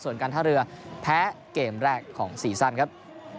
ส่วนการท่าเรือแพ้เกมแรกของซีซั่นครับ